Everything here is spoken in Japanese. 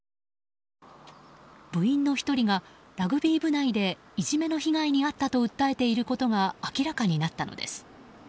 部員の１人がラグビー部内でいじめの被害に遭ったと訴えていることが明らかになったのです。